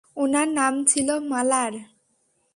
ওনার নাম ছিল মালার।